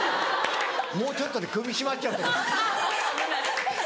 もうちょっとで首絞まっちゃうとこだった。